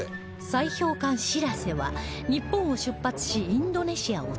砕氷艦「しらせ」は日本を出発しインドネシアを通過